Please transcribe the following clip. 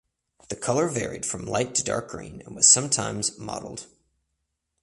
The colour varied from light to dark green and was sometimes mottled.